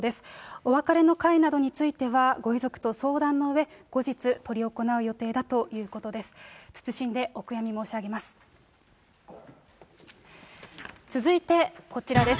お別れの会などについては、ご遺族と相談のうえ、後日、執り行う予定だということです。